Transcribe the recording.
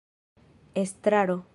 estraro